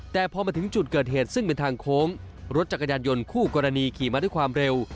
แต่พอมาถึงจุดเกิดเหตุซึ่งเป็นทางโค้งรถจักรยานยนต์คู่กรณีขี่มาด้วยความเร็ว